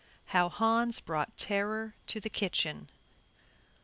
How Hans Brought Terror to the Kitchen.